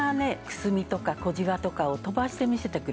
クスミとか小じわとかを飛ばして見せてくれるの。